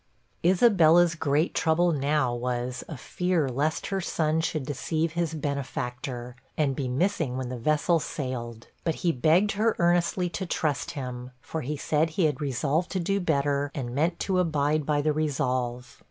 Isabella's great trouble now was, a fear lest her son should deceive his benefactor, and be missing when the vessel sailed; but he begged her earnestly to trust him, for he said he had resolved to do better, and meant to abide by the resolve.